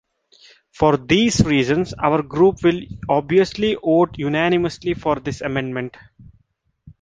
For these reasons our group will obviously vote unanimously for this amendment.